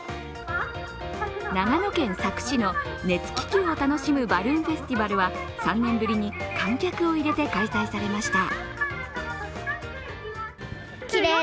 長野県佐久市の熱気球を楽しむバルーンフェスティバルは３年ぶりに観客を入れて開催されました。